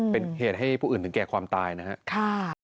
เป็นเหตุให้ผู้อื่นถึงแก่ความตายนะครับ